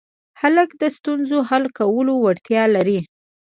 هلک د ستونزو حل کولو وړتیا لري.